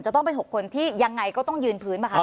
ต้องเป็น๖คนที่ยังไงก็ต้องยืนพื้นป่ะคะ